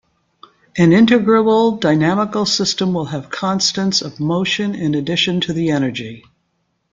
An integrable dynamical system will have constants of motion in addition to the energy.